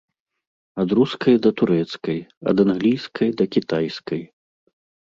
Ад рускай да турэцкай, ад англійскай да кітайскай.